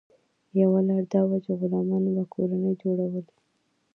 یوه لار دا وه چې غلامانو به کورنۍ جوړولې.